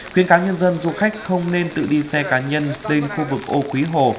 khuyên cá nhân dân du khách không nên tự đi xe cá nhân lên khu vực âu quý hồ